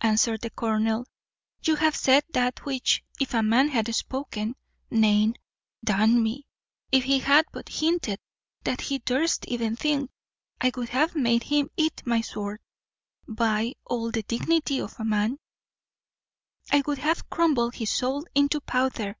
answered the colonel: "you have said that which, if a man had spoken, nay, d n me, if he had but hinted that he durst even think, I would have made him eat my sword; by all the dignity of man, I would have crumbled his soul into powder.